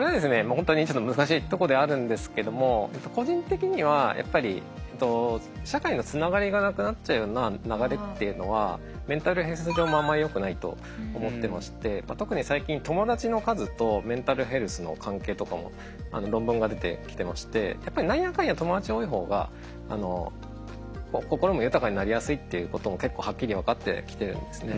本当にちょっと難しいとこではあるんですけども個人的にはやっぱり社会のつながりがなくなっちゃうような流れっていうのはメンタルヘルス上もあんまりよくないと思ってまして特に最近友達の数とメンタルヘルスの関係とかも論文が出てきてましてやっぱり何やかんや友達多い方が心も豊かになりやすいっていうことも結構はっきり分かってきてるんですね。